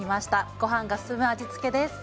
ごはんが進む味付けです。